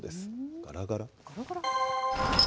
がらがら？